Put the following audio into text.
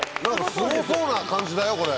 すごそうな感じだよこれ。